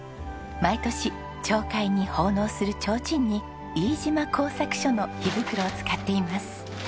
毎年町会に奉納する提灯に飯島工作所の火袋を使っています。